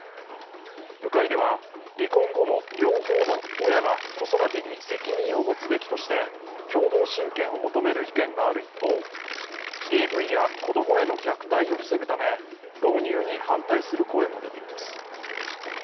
部会では離婚後も両方の親が子育てに責任を持つべきとして共同親権を求める意見がある一方、ＤＶや子供への虐待を防ぐため導入に反対する声も出ています。